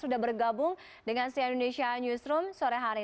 sudah bergabung dengan cn indonesia newsroom sore hari